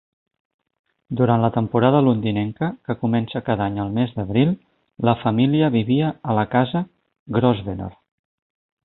Durant la temporada londinenca, que comença cada any al mes d'abril, la família vivia a la Casa Grosvenor.